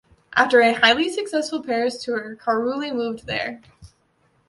After a highly successful Paris tour, Carulli moved there.